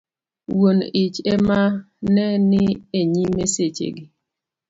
wuon ich ema ne ni e nyime seche gi